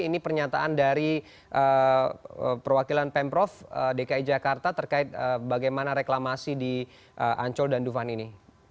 ini pernyataan dari perwakilan pemprov dki jakarta terkait bagaimana reklamasi di ancol dan duvan ini